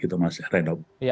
itu masih reda